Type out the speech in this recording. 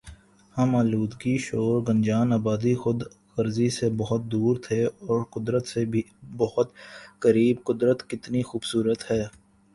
ہم آلودگی شور گنجان آبادی خود غرضی سے بہت دور تھے اور قدرت سے بہت قریب قدرت کتنی خوب صورت ہے